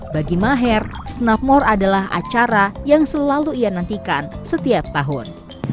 bagi maher snapmore adalah acara yang selalu ia nantikan setiap tahun